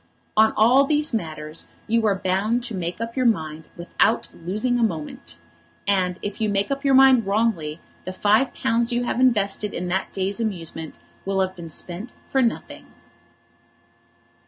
On all these matters you are bound to make up your mind without losing a moment; and if you make up your mind wrongly the five pounds you have invested in that day's amusement will have been spent for nothing.